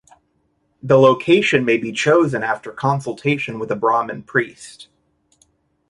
The location may be chosen after consultation with a Brahmin priest.